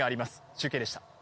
中継でした。